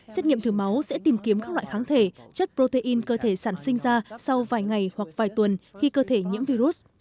xét nghiệm thử máu sẽ tìm kiếm các loại kháng thể chất protein cơ thể sản sinh ra sau vài ngày hoặc vài tuần khi cơ thể nhiễm virus